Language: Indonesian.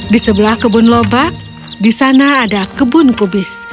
di sebelah kebun lobak di sana ada kebun kubis